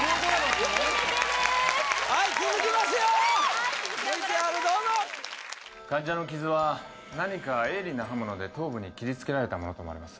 ＶＴＲどうぞ・患者の傷は何か鋭利な刃物で頭部に切りつけられたものと思われます